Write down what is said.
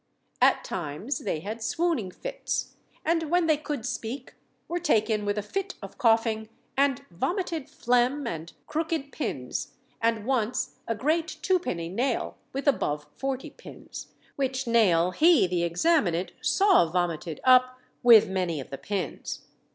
At times they had swooning fits, and, when they could speak, were taken with a fit of coughing, and vomited phlegm and crooked pins; and once a great twopenny nail, with above forty pins; which nail he, the examinant, saw vomited up, with many of the pins.